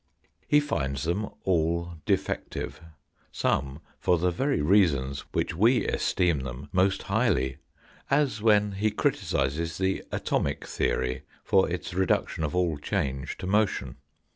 " He finds them all defective, some for the very reasons which we esteem them most highly, as when he criticises the Atomic theory for its reduction of all change to motion.